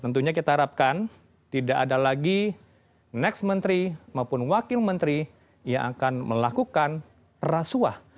tentunya kita harapkan tidak ada lagi next menteri maupun wakil menteri yang akan melakukan rasuah